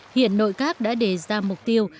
hiện nội các đã đề ra mục tiêu